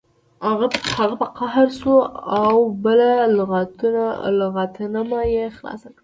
هغه په قهر شو او بله لغتنامه یې خلاصه کړه